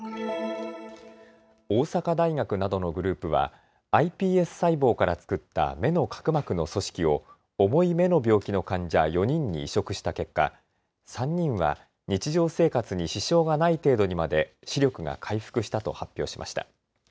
大阪大学などのグループはｉＰＳ細胞から作った目の角膜の組織を重い目の病気の患者４人に移植した結果、３人は日常生活に支障がない程度にまで視力が回復したと発表しました。